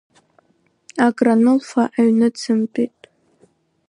Акранылфа аҩны дзымтәеит…